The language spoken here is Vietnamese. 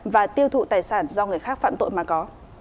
và tiêu thụ tài sản do người khác phạm tội mà có